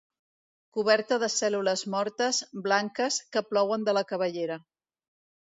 Coberta de cèl·lules mortes, blanques, que plouen de la cabellera.